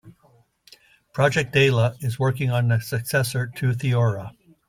Project Daala is working on the successor to Theora.